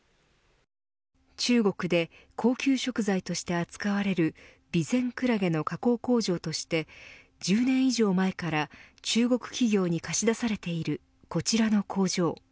中国で高級食材として扱われるビゼンクラゲの加工工場として１０年以上前から中国企業に貸し出されているこちらの工場。